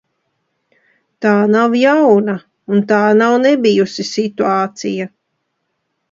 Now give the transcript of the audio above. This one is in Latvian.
Tā nav jauna un tā nav nebijusi situācija.